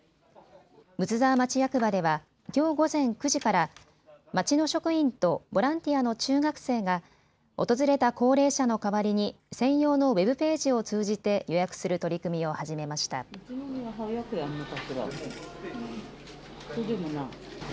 睦沢町役場ではきょう午前９時から町の職員とボランティアの中学生が訪れた高齢者の代わりに専用のウェブページを通じて予約する取り組みを始めました。